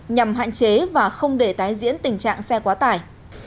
nhằm hạn chế và không để tái diễn tình trạng xe quá tải